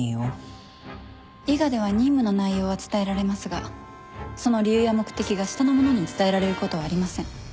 伊賀では任務の内容は伝えられますがその理由や目的が下の者に伝えられることはありません